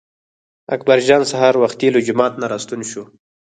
اکبر جان سهار وختي له جومات نه راستون شو.